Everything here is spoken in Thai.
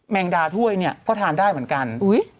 งดาถ้วยเนี่ยก็ทานได้เหมือนกัน